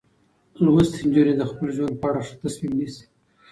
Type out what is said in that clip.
لوستې نجونې د خپل ژوند په اړه ښه تصمیم نیسي.